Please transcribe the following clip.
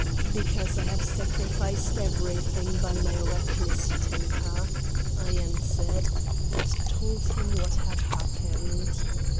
"Because I have sacrificed everything by my reckless temper," I answered, and told him what had happened.